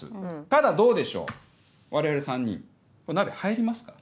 ただどうでしょう我々３人鍋入りますか？